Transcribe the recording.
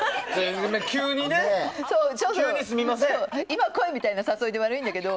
今来いみたいな誘いで悪いんだけど